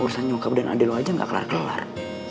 urusan nyokap dan adik lo aja gak kelar kelar